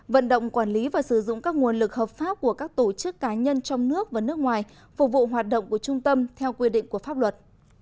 vận động quản lý và sử dụng các nguồn lực hợp pháp của các tổ chức cá nhân trong nước và nước ngoài phục vụ hoạt động của trung tâm theo quy định của pháp luật